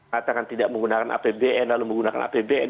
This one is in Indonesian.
katakan tidak menggunakan apbn lalu menggunakan apbn